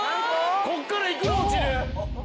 ここからいくら落ちる？